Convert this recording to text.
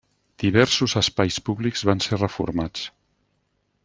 Diversos espais públics van ser reformats.